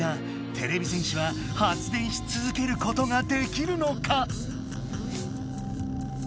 てれび戦士は発電しつづけることができるのか。